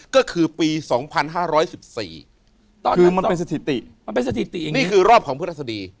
ก็คือปี๒๕๑๔คือมันเป็นสถิตินี่คือรอบของพฤศจรรย์